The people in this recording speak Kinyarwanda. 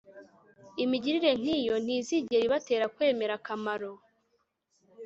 Imigirire nkiyo ntizigera ibatera kwemera akamaro